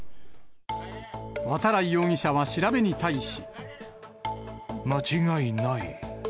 渡来容疑者は調べに対し。間違いない。